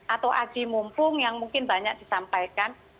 atau aji mumpung yang mungkin banyak disampaikan